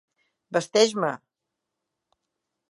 Vesteix-me!